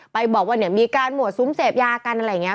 บอกว่าเนี่ยมีการหมวดซุ้มเสพยากันอะไรอย่างนี้